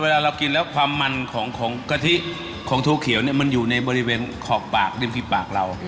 เรากินแล้วความมันของกะทิของถั่วเขียวเนี่ยมันอยู่ในบริเวณขอบปากริมฝีปากเรา